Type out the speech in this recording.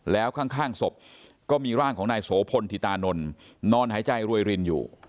แล้วข้างศพก็มีร่างของนายโสพลธิตานนท์นอนหายใจรวยรินอยู่